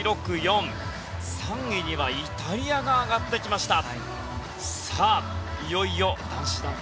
３位にはイタリアが上がってきました。